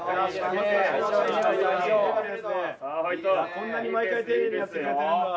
こんなに毎回丁寧にやってくれてるんだ。